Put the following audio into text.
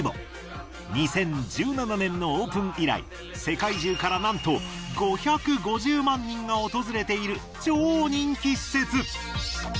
２０１７年のオープン以来世界中からなんと５５０万人が訪れている超人気施設。